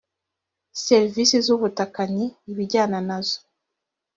serivise zubutakani ibijyana nazo